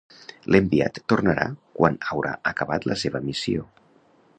L'enviat tornarà quan haurà acabat la seva missió.